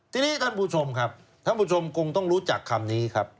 ทีนี้ท่านผู้ชมครับท่านผู้ชมคงต้องรู้จักคำนี้ครับ